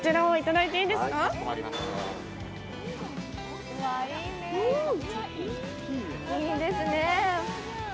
いいですねえ。